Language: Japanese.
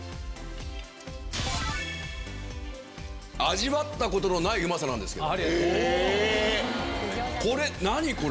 味わったことのないうまさなんですけど。